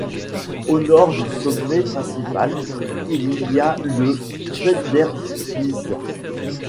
Au nord du sommet principal, il y a le Schneiderspitze.